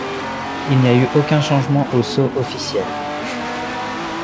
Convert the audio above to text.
Il n'y a eu aucun changement au Sceau officiel.